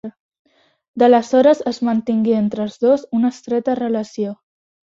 D'aleshores es mantingué entre els dos una estreta relació.